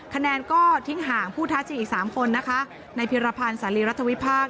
คะแนนก็ทิ้งห่างผู้ท้าชิงอีก๓คนนะคะในพิรพันธ์สารีรัฐวิพากษ